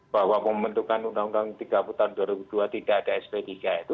bahwa pembentukan undang undang tiga puluh tahun dua ribu dua tidak ada sp tiga itu